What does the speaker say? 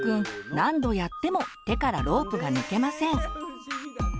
何度やっても手からロープが抜けません。